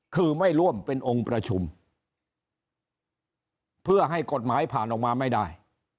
คือไม่ร่วมเป็นองค์ประชุมเพื่อให้กฎหมายผ่านออกมาไม่ได้